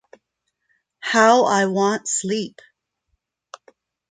How I want sleep!